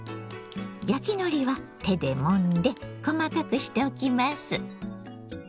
焼きのりは手でもんで細かくしておきます。